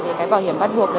về cái bảo hiểm bắt buộc